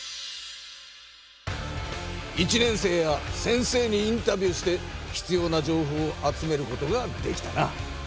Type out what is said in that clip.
１年生や先生にインタビューしてひつような情報を集めることができたな。